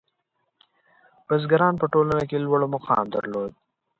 • بزګران په ټولنه کې لوړ مقام درلود.